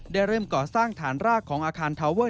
เริ่มก่อสร้างฐานรากของอาคารทาวเวอร์